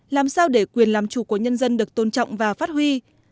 làm sao để quyền làm chủ của nhân dân được tôn trọng và phát huy